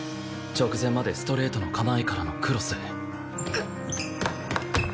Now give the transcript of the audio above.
直前までストレートの構えからのクロス。